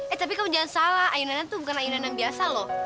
eh tapi kamu jangan salah ayunannya tuh bukan ayunan yang biasa loh